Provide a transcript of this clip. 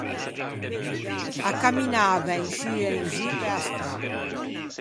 A camminava in sciù e in zu pe-a strâ.